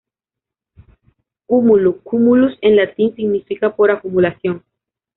Cúmulo, "cumulus" en latín, significa ‘por acumulación’.